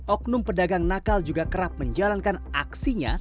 oknum pedagang nakal juga kerap menjalankan aksinya